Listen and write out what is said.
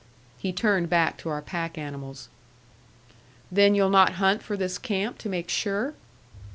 He turned back to our pack animals. "Then you'll not hunt for this camp to make sure?"